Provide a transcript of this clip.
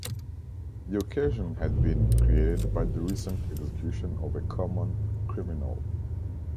The occasion had been created by the recent execution of a common criminal.